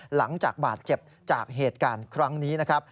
หลังจากบาดเจ็บจากเหตุการณ์ครั้งนี้นะครับ